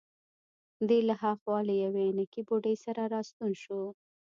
دی له هاخوا له یوې عینکې بوډۍ سره راستون شو.